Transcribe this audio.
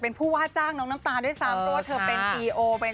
ซึ่งแบบเฮ้ยฉันจ้างน้องเขาฉันไม่ได้มาปาดหน้าน้อง